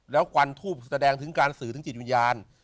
แล้วควันทูบแสดงถึงการสื่อถึงจิตวิญญาณ